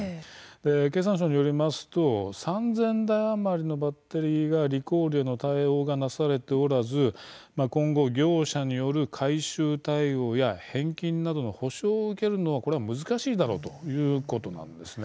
経産省によりますと３０００台余りがリコール対応がなされておらず今後、業者による回収対応や返金などの補償を受けるのは難しいだろうということなんです。